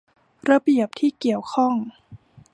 ระเบียบที่เกี่ยวข้อง